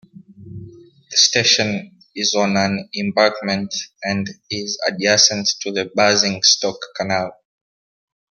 The station is on an embankment and is adjacent to the Basingstoke Canal.